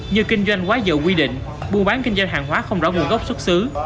như kinh doanh quá dự quy định buôn bán kinh doanh hàng hóa không rõ nguồn gốc xuất xứ